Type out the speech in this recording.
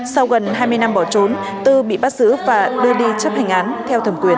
sau gần hai mươi năm bỏ trốn tư bị bắt giữ và đưa đi chấp hành án theo thẩm quyền